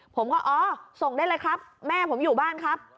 ผมก็อ๋อส่งได้เลยครับแม่ผมอยู่บ้านครับ